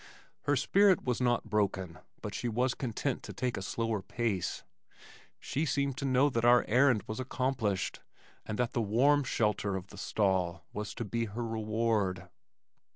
Her spirit was not broken, but she was content to take a slower pace. She seemed to know that our errand was accomplished and that the warm shelter of the stall was to be her reward.